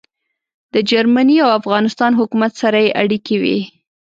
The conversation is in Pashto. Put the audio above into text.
د جرمني او افغانستان حکومت سره يې اړیکې وې.